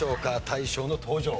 大将の登場。